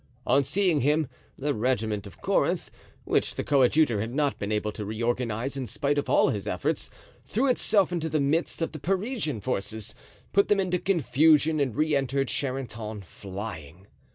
On seeing him, the regiment of Corinth, which the coadjutor had not been able to reorganize in spite of all his efforts, threw itself into the midst of the Parisian forces, put them into confusion and re entered Charenton flying.